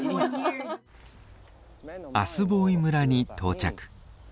アスボーイ村に到着。